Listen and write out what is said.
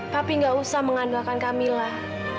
papi nggak usah mengandalkan kamilah